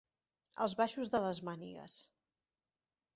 Els baixos de les mànigues.